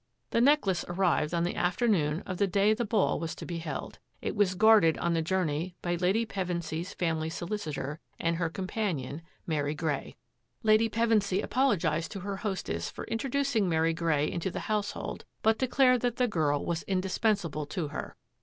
The necklace arrived on the afternoon of the day the ball was to be held. It was guarded on the journey by Lady Pevensy 's family solicitor and her companion, Mary Grey. ON ACCOUNT OF A NECKLACE S Lady Pevensy apologised to her hostess for in troducing Mary Grey into the household, but de clared that the girl was indispensable to her.